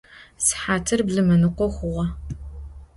Sıhatır blım ınıkho xhuğe.